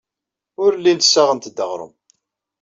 Ur llint ssaɣent-d aɣrum.